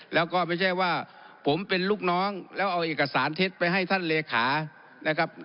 แล้วก็ไม่ใช่ว่าผมเป็นลูกน้องแล้วเอาเอกสารเท็จไปให้ท่านเลขานะครับ